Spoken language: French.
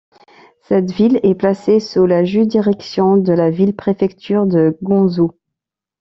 Cette ville est placée sous la juridiction de la ville-préfecture de Ganzhou.